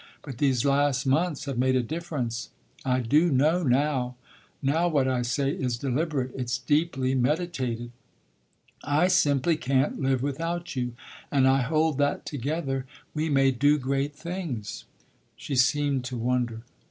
But these last months have made a difference I do know now. Now what I say is deliberate It's deeply meditated. I simply can't live without you, and I hold that together we may do great things." She seemed to wonder.